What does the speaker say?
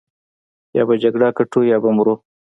يا به جګړه ګټو يا به مرو.